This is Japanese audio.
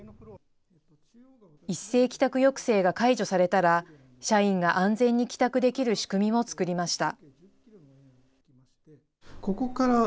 一斉帰宅抑制が解除されたら、社員が安全に帰宅できる仕組みも作りました。